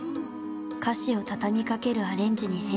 歌詞を畳みかけるアレンジに変更。